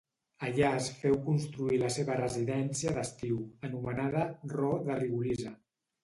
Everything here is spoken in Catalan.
Allà es féu construir la seva residència d'estiu, anomenada Ro de Rigolisa.